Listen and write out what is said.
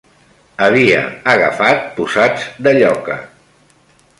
Havia agafat posats de lloca.